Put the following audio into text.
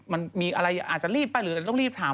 มันมีอะไรอาจจะรีบไปหรืออาจจะต้องรีบถาม